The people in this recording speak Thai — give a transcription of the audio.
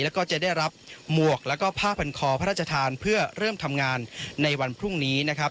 แล้วก็จะได้รับหมวกแล้วก็ผ้าพันคอพระราชทานเพื่อเริ่มทำงานในวันพรุ่งนี้นะครับ